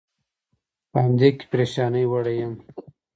په همدې کې پرېشانۍ وړی یم.